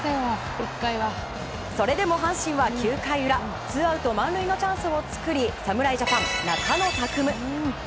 それでも阪神は９回裏ツーアウト満塁のチャンスを作り侍ジャパン、中野拓夢。